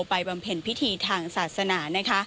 บำเพ็ญพิธีทางศาสนา